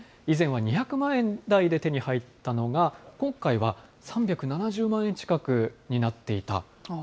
以前は２００万円台で手に入ったのが、今回は３７０万円近くになっていた。